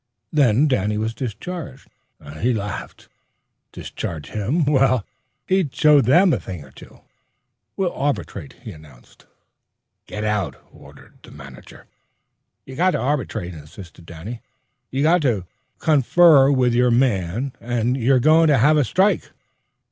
Then Danny was discharged and he laughed. Discharge him! Well, he'd show them a thing or two. "We'll arbitrate," he announced. "Get out!" ordered the manager. "You got to arbitrate," insisted Danny. "You got to confer with your men or you're goin' to have a strike!"